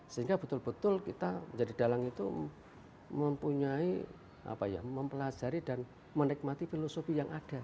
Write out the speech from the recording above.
sehingga betul betul kita menjadi dalang itu mempelajari dan menikmati filosofi yang ada